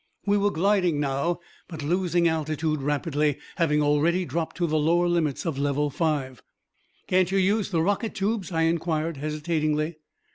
We were gliding now, but losing altitude rapidly, having already dropped to the lower limits of level five. "Can't you use the rocket tubes?" I inquired hesitatingly.